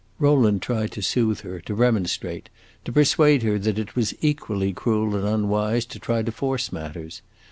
Rowland tried to soothe her, to remonstrate, to persuade her that it was equally cruel and unwise to try to force matters.